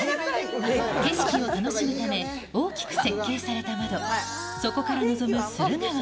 景色を楽しむため、大きく設計された窓、そこから臨む駿河湾。